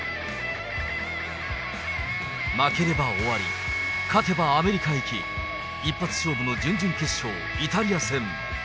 負ければ終わり、勝てばアメリカ行き。一発勝負の準々決勝、イタリア戦。